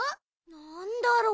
なんだろう？